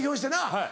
はい